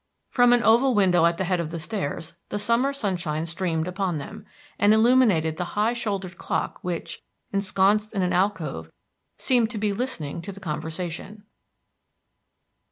From an oval window at the head of the stairs the summer sunshine streamed upon them, and illuminated the high shouldered clock which, ensconced in an alcove, seemed to be listening to the conversation.